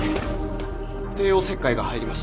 帝王切開が入りました。